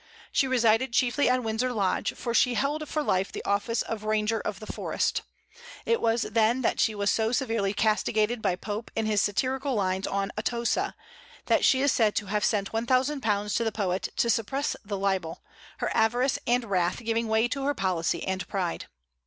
She resided chiefly at Windsor Lodge, for she held for life the office of ranger of the forest. It was then that she was so severely castigated by Pope in his satirical lines on "Atossa," that she is said to have sent £1000 to the poet, to suppress the libel, her avarice and wrath giving way to her policy and pride.